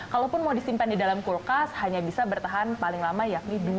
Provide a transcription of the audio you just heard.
kalaupun mau disimpan di dalam kulkas hanya bisa bertahan paling lama yakni dua